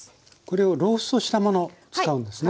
これをローストしたもの使うんですね。